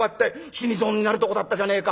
死に損になるとこだったじゃねえか」。